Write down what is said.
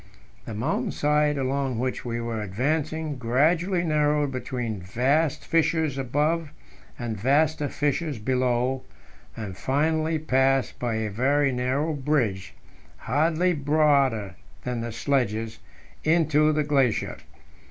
The mountain side along which we were advancing gradually narrowed between vast fissures above and vaster fissures below, and finally passed by a very narrow bridge hardly broader than the sledges into the glacier.